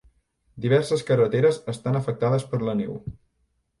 Diverses carreteres estan afectades per la neu.